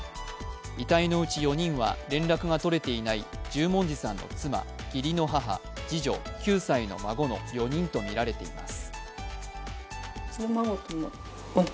遺体のうち４人は連絡がとれていない十文字さんの妻、義理の母、次女、９歳の孫の４人とみられています。